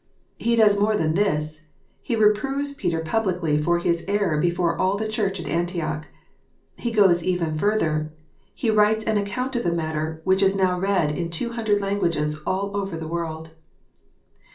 He does more than this : he reproves Peter publicly for his error before all the Church at Antioch. He goes even further : he writes an account of the matter, which is now read in two hundred languages all over the world.